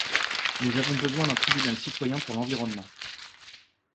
Nous avons besoin d'un tribunal citoyen pour l'environnement.